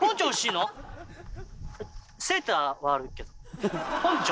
セーターはあるけどポンチョ？